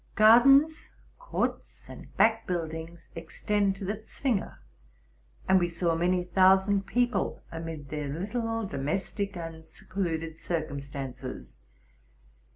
Gardens, courts, and back build ings extend to the Zwinger: and we saw many thousand peo ple amid their little domestie and secluded circumstances.